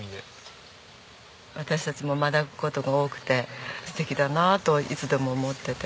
私たちも学ぶ事が多くて素敵だなといつでも思ってて。